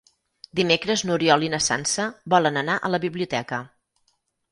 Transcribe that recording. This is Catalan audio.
Dimecres n'Oriol i na Sança volen anar a la biblioteca.